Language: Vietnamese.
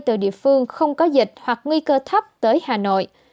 từ địa phương không có dịch hoặc nguy cơ thấp tới hà nội